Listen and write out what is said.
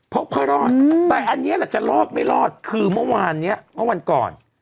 กเพื่อรอดแต่อันนี้แหละจะรอดไม่รอดคือเมื่อวานเนี้ยเมื่อวันก่อน